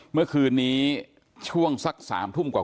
เมื่อคืนนี้ช่วงสัก๓ทุ่มกว่า